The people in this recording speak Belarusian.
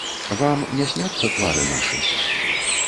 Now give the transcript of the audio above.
Вам не сняцца твары нашы?